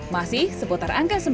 masih seputar angka sembilan